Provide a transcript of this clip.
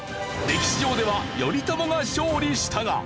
歴史上では頼朝が勝利したが。